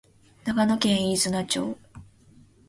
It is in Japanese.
長野県飯綱町